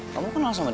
kamu kenal sama dia